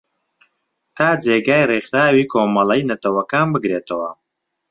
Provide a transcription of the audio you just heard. تا جێگای ریکخراوی کۆمەلەی نەتەوەکان بگرێتەوە